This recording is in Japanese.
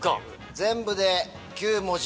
全部で９文字。